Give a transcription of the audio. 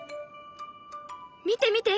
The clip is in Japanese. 見て見て！